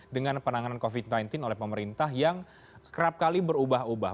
dengan penanganan covid sembilan belas oleh pemerintah yang kerap kali berubah ubah